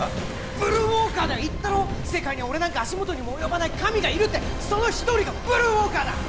ブルーウォーカーだよ言ったろ世界には俺なんか足元にも及ばない神がいるってその一人がブルーウォーカーだ！